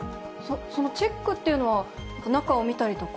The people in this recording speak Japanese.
そのチェックっていうのは、中を見たりとか？